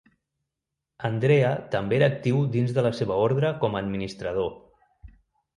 Andrea també era actiu dins de la seva ordre com a administrador.